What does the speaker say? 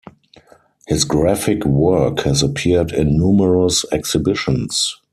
His graphic work has appeared in numerous exhibitions.